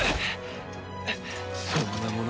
そんなものか。